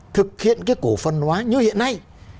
thực hiện cái cổ phần hóa như hiện nay